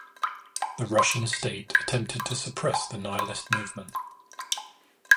The Russian state attempted to suppress the nihilist movement.